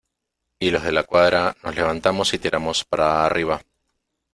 y los De la Cuadra nos levantamos y tiramos para arriba.